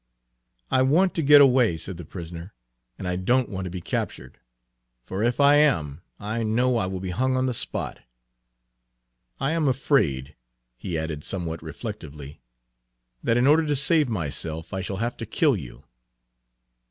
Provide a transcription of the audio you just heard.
"I want to get away," said the prisoner, "and I don't want to be captured; for if I am I know I will be hung on the spot. I am afraid," he added somewhat reflectively, "that in order to save myself I shall have to kill you."